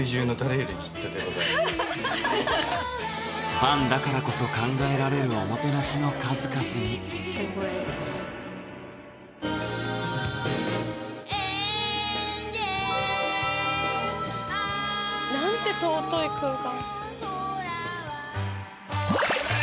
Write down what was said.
ファンだからこそ考えられるおもてなしの数々になんて尊い空間